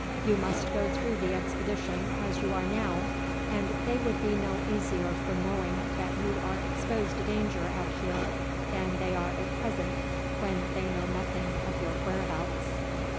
You must go through the expedition as you are now, and they would be no easier for knowing that you are exposed to danger out here than they are at present when they know nothing of your whereabouts."